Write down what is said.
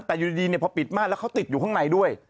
แต่อยู่ดีพอปิดม่านแล้วเขาติดอยู่ข้างในด้วย